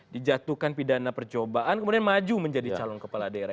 dijatuhkan pidana percobaan kemudian maju menjadi calon kepala daerah